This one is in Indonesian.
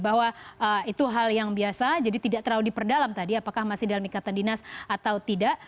bahwa itu hal yang biasa jadi tidak terlalu diperdalam tadi apakah masih dalam ikatan dinas atau tidak